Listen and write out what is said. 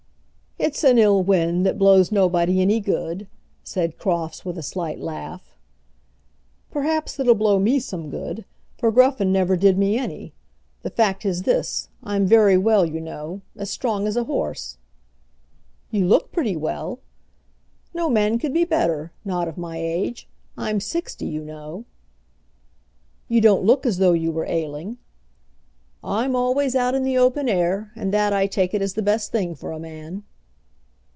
"It's an ill wind that blows nobody any good," said Crofts, with a slight laugh. "Perhaps it 'll blow me some good, for Gruffen never did me any. The fact is this; I'm very well, you know; as strong as a horse." "You look pretty well." "No man could be better, not of my age. I'm sixty, you know." "You don't look as though you were ailing." "I'm always out in the open air, and that, I take it, is the best thing for a man."